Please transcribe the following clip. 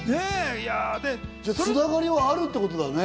じゃあ繋がりはあるってことだね。